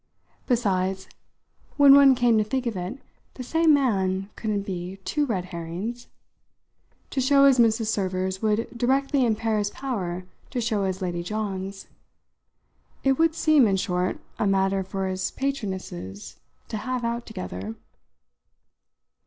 Besides, when one came to think of it, the same man couldn't be two red herrings. To show as Mrs. Server's would directly impair his power to show as Lady John's. It would seem, in short, a matter for his patronesses to have out together.